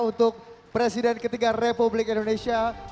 untuk presiden ketiga republik indonesia